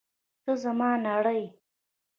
ته زما نړۍ یې!